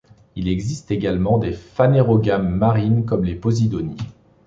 Il existe également des phanérogames marines comme les posidonies.